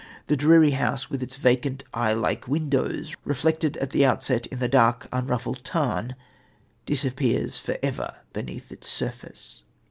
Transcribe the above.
The dreary house with its vacant, eye like windows reflected at the outset in the dark, unruffled tarn, disappears for ever beneath its surface.